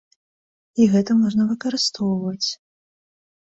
І гэта можна выкарыстоўваць.